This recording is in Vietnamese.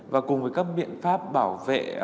và cùng với các biện pháp bảo vệ